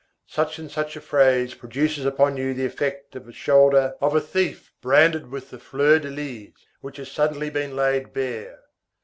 Such and such a phrase produces upon you the effect of the shoulder of a thief branded with the fleur de lys, which has suddenly been laid bare.